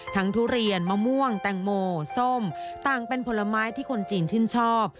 ทุเรียนมะม่วงแตงโมส้มต่างเป็นผลไม้ที่คนจีนชื่นชอบ